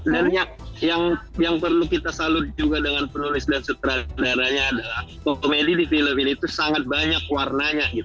dan yang perlu kita salur juga dengan penulis dan sutradaranya adalah komedi di film ini itu sangat banyak warnanya gitu